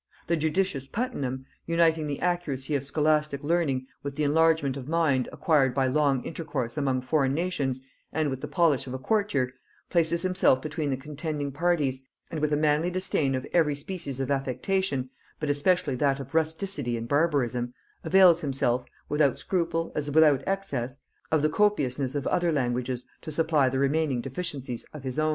The judicious Puttenham, uniting the accuracy of scholastic learning with the enlargement of mind acquired by long intercourse among foreign nations, and with the polish of a courtier, places himself between the contending parties, and with a manly disdain of every species of affectation, but especially that of rusticity and barbarism, avails himself, without scruple as without excess, of the copiousness of other languages to supply the remaining deficiencies of his own.